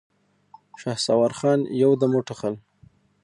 شهسوار خان يودم وټوخل.